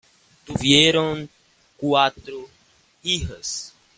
Tuvieron cuatro hijas.